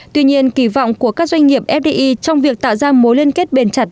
tuy nhiên kỳ vọng của các doanh nghiệp fdi trong việc tạo ra mối liên kết bền chặt